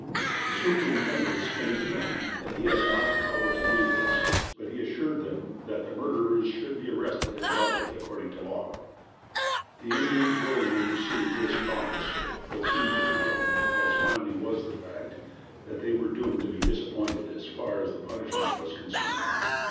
The Superintendent explained to them that he had not the power to do this, but he assured them that the murderers should be arrested and dealt with according to law. The Indians willingly received this promise, but seemed to feel, as finally was the fact, that they were doomed to be disappointed as far as the punishment was concerned.